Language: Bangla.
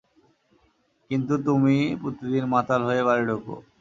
কিন্তু তুমি প্রতিদিন মাতাল হয়ে বাড়ি ঢোকো।